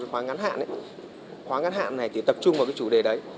khóa ngắn hạn khóa ngắn hạn này thì tập trung vào cái chủ đề đấy